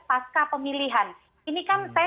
pasca pemilihan ini kan saya